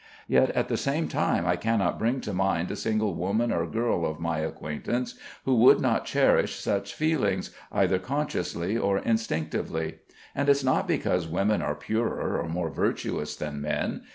Yet at the same time I cannot bring to mind a single woman or girl of my acquaintance who would not cherish such feelings, either consciously or instinctively. And it's not because women are purer and more virtuous than men.